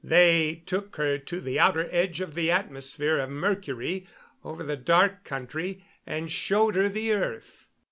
They took her to the outer edge of the atmosphere of Mercury over the Dark Country and showed her the earth.